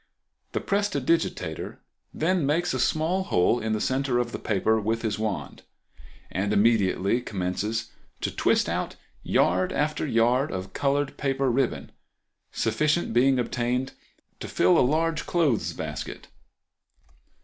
The prestidigitateur then makes a small hole in the center of the paper with his wand, and immediately commences to twist out yard after yard of colored paper ribbon, sufficient being obtained to fill a large clothes basket.